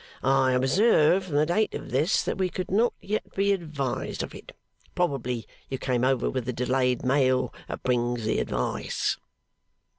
I observe, from the date of this, that we could not yet be advised of it. Probably you came over with the delayed mail that brings the advice.